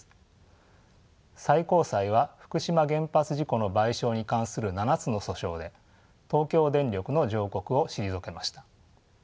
最高裁は福島原発事故の賠償に関する７つの訴訟で東京電力の上告を退けました。